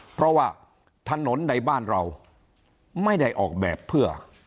เพราะว่าถนนในบ้านเราไม่ได้ออกแบบเพื่อ